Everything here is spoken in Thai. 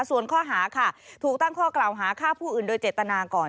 ส่วนข้อหาค่ะถูกตั้งข้อกล่าวหาฆ่าผู้อื่นโดยเจตนาก่อน